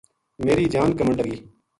میرِی جان کمن لگی